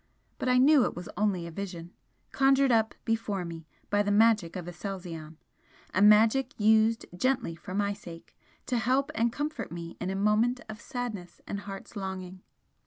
But I knew it was only a vision conjured up before me by the magic of Aselzion, a magic used gently for my sake, to help and comfort me in a moment of sadness and heart's longing.